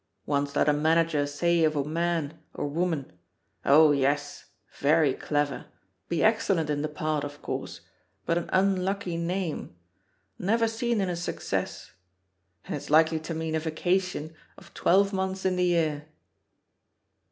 Once let a manager say of a man, or woman, *Oh, fes, very clever, be excel lent in the part, of course, but an unlucky name — ^never seen in a success,' and it's likely to mean a vacation of twelve months in the year."